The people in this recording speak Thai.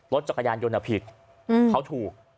รถจักรยานยนต์ผิดเขาถูก